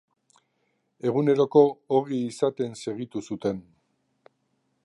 Eguneroko ogi izaten segitu zuten.